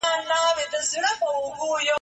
غير صحيحه نکاح هم اثار او نتايج لري.